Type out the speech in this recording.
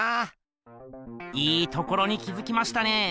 いいところに気づきましたね。